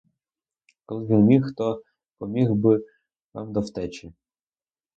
Коли б він міг, то поміг би вам до втечі.